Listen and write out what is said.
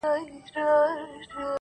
کشر ورور ویل چي زه جوړوم خونه -